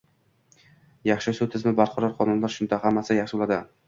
- Yaxshi sud tizimi, barqaror qonunlar - shunda hammasi yaxshi bo'ladi